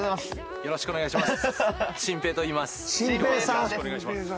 「よろしくお願いします」